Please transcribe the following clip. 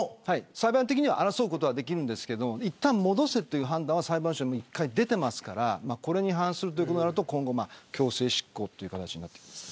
裁判的には争うことはできますがいったん戻せという判断が裁判所から出てますからこれに反するとなると強制執行という形になります。